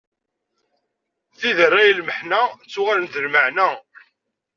Tiderray n lmeḥna ttuɣalent d lmeɛna.